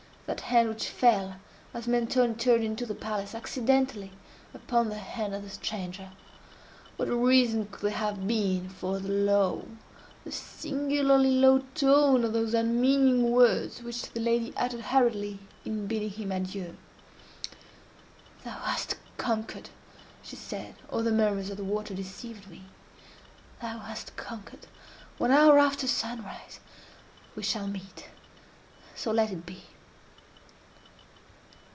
—that hand which fell, as Mentoni turned into the palace, accidentally, upon the hand of the stranger. What reason could there have been for the low—the singularly low tone of those unmeaning words which the lady uttered hurriedly in bidding him adieu? "Thou hast conquered," she said, or the murmurs of the water deceived me; "thou hast conquered—one hour after sunrise—we shall meet—so let it be!"